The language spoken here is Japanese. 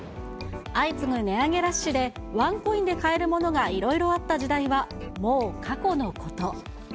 相次ぐ値上げラッシュで、ワンコインで買えるものがいろいろあった時代はもう過去のこと。